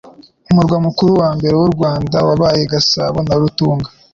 Umurwa mukuru wa mbere w'u Rwanda wabaye Gasabo na Rutunga,